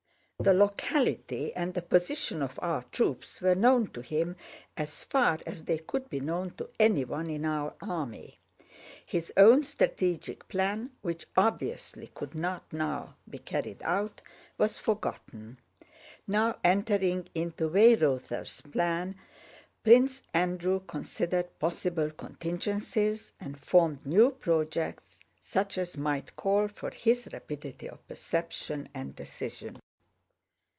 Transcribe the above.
The locality and the position of our troops were known to him as far as they could be known to anyone in our army. His own strategic plan, which obviously could not now be carried out, was forgotten. Now, entering into Weyrother's plan, Prince Andrew considered possible contingencies and formed new projects such as might call for his rapidity of perception and decision.